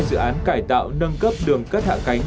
dự án cải tạo nâng cấp đường cất hạ cánh